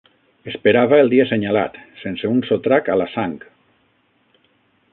Esperava el dia senyalat, sense un sotrac a la sang